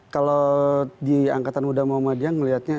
kalau di angkatan muda muhammadiyah melihatnya